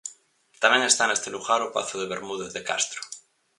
Tamén está neste lugar o pazo de Bermúdez de Castro.